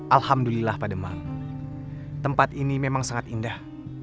alhamdulillah pak demang tempat ini memang sangat indah